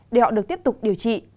để họ được tiếp tục điều trị